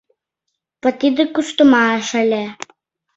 Вот тиде куштымаш ыле!